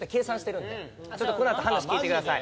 ちょっとこのあと話聞いてください。